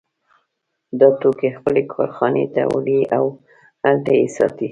دا توکي خپلې کارخانې ته وړي او هلته یې ساتي